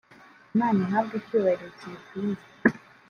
Imana ihabwe icyubahiro kiyikwiye